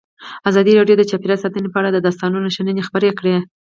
ازادي راډیو د چاپیریال ساتنه په اړه د استادانو شننې خپرې کړي.